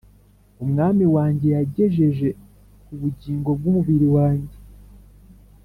umwami wanjye yagejeje ku bugingo bw'umubiri wanjye: